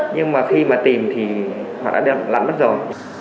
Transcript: nhưng mà khi mà tìm thì họ đã lặn mất rồi